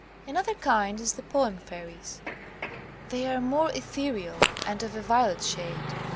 ''Another kind is the poem fairies. They are more ethereal, and of a violet shade.